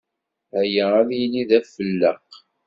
Aya ad yili d afelleq.